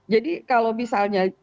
jadi kalau misalnya